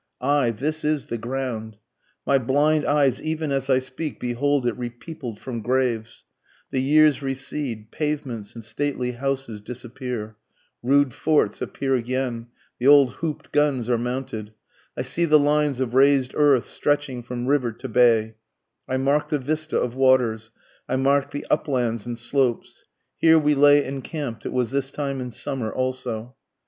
Aye, this is the ground, My blind eyes even as I speak behold it re peopled from graves, The years recede, pavements and stately houses disappear, Rude forts appear again, the old hoop'd guns are mounted, I see the lines of rais'd earth stretching from river to bay, I mark the vista of waters, I mark the uplands and slopes; Here we lay encamp'd, it was this time in summer also.